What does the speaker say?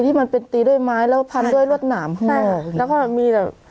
ที่มันเป็นตีด้วยไม้แล้วพันด้วยรวดหนามข้างนอกใช่ค่ะแล้วก็แบบมีแบบ